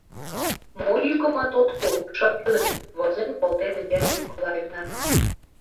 «Мо йӱкымат от пу, шып илет? — возен колтен Вера Николаевна.